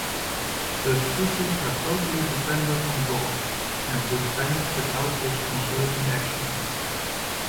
Thus creatures are totally dependent on God and would vanish without his conserving action.